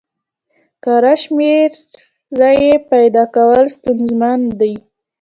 کره شمېرې پیدا کول ستونزمن دي.